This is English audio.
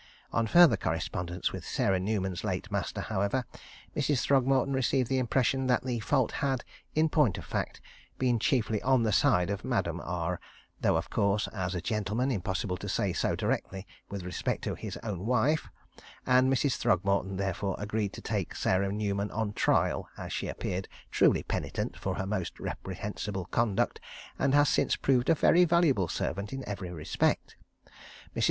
On further correspondence with Sarah Newman's late master, however, Mrs. Throgmorton received the impression that the fault had, in point of fact, been chiefly on the side of Madame R, though, of course, as a gentleman, impossible to say so directly with respect to his own wife, and Mrs. Throgmorton therefore agreed to take Sarah Newman on trial, as she appeared truly penitent for her most reprehensible conduct, and has since proved a very valuable servant in every respect. Mrs.